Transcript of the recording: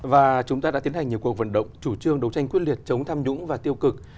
và chúng ta đã tiến hành nhiều cuộc vận động chủ trương đấu tranh quyết liệt chống tham nhũng và tiêu cực